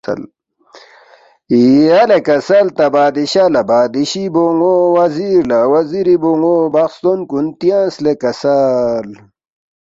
یلے کسل تا بادشاہ لہ بادشی بون٘و وزیر لہ وزیری بون٘و بخستون کُن تیانگس لے کسل